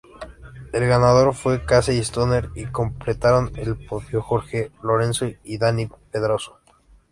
El ganador fue Casey Stoner y completaron el podio Jorge Lorenzo y Dani Pedrosa.